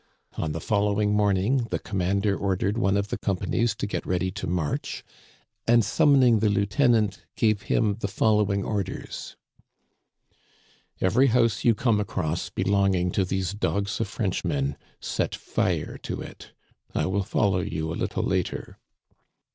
On the following morning the commander ordered one of the companies to get ready to march, and summoning the lieutenant gave him the following orders :" Every house you come across belonging to these dogs of Frenchmen, set fire to it. I will follow you a little later."